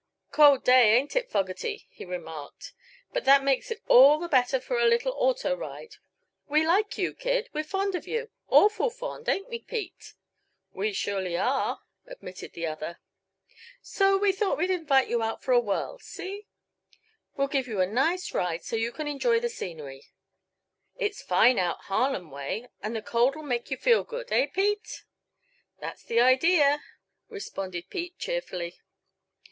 "Cold day, ain't it, Fogerty?" he remarked. "But that makes it all the better for a little auto ride. We like you, kid, we're fond of you awful fond ain't we, Pete?" "We surely are," admitted the other. "So we thought we'd invite you out for a whirl see? We'll give you a nice ride, so you can enjoy the scenery. It's fine out Harlem way, an' the cold'll make you feel good. Eh, Pete?" "That's the idea," responded Pete, cheerfully.